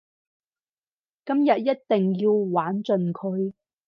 今日一定要玩盡佢